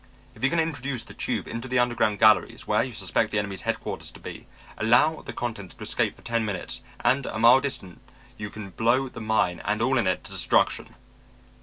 "If you can introduce the tube into the underground galleries where you suspect the enemy's headquarters to be, allow the contents to escape for ten minutes, and a mile distant you can blow the mine and all in it to destruction.